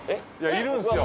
いるんすよ。